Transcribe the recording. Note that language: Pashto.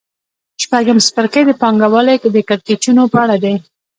شپږم څپرکی د پانګوالۍ د کړکېچونو په اړه دی